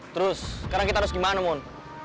terus sekarang kita harus gimana moon